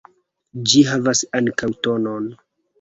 Ĝi havas ankaŭ tonon.